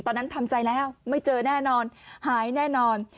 ทำใจแล้วไม่เจอแน่นอนหายแน่นอน